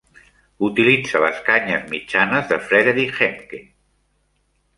Utilitza les canyes mitjanes de Frederick Hemke.